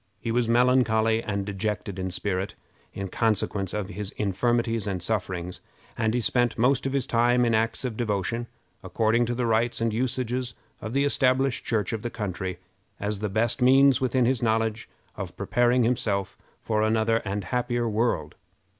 He was melancholy and dejected in spirit, in consequence of his infirmities and sufferings, and he spent most of his time in acts of devotion, according to the rites and usages of the established church of the country, as the best means within his knowledge of preparing himself for another and happier world.